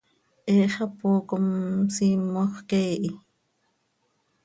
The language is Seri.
He xapoo com simox quee hi.